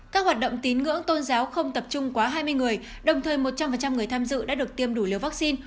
các hoạt động tín ngưỡng tôn giáo không tập trung quá hai mươi người đồng thời một trăm linh người tham dự đã được tiêm đủ liều vaccine